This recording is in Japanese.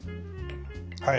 はい。